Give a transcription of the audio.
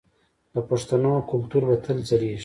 د پښتنو کلتور به تل ځلیږي.